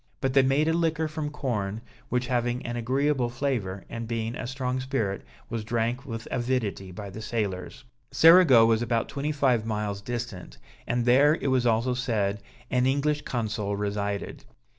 But they made a liquor from corn, which having an agreeable flavour, and being a strong spirit, was drank with avidity by the sailors. Cerigo was about twenty five miles distant, and there, it was also said, an English consul resided.